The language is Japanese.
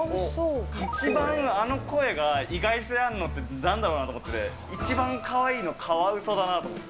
一番あの声が意外性あるのってなんだろうと思って、一番かわいいの、カワウソだなと思って。